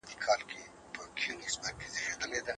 کرنه بې وسایلو نه کېږي.